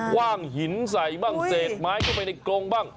ว่างหินใส่บ้างเศษไม้เข้าไปในกรงบ้าง